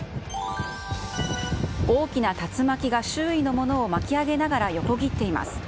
大きな竜巻が周囲のものを巻き上げながら横切っています。